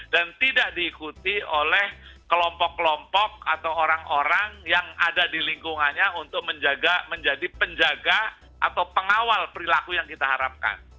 dan tidak diikuti oleh kelompok kelompok atau orang orang yang ada di lingkungannya untuk menjadi penjaga atau pengawal perilaku yang kita harapkan